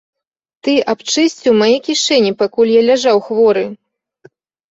Ты абчысціў мае кішэні, пакуль я ляжаў хворы!